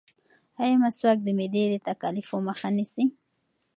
ایا مسواک د معدې د تکالیفو مخه نیسي؟